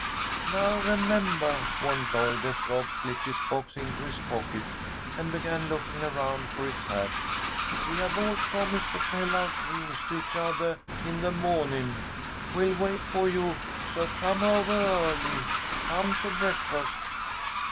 "Now remembah," warned Lloyd, as Rob slipped his box into his pocket and began looking around for his hat, "we have all promised to tell our dreams to each othah in the mawning. We'll wait for you, so come ovah early. Come to breakfast."